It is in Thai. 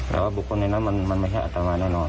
แต่ว่าบุคคลในนั้นมันไม่ใช่อัตมาแน่นอน